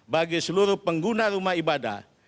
bagi seluruh pengguna rumah ibadah